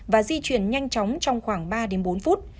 và di chuyển nhanh chóng trong khoảng ba đến bốn phút